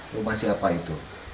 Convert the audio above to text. rumah siapa itu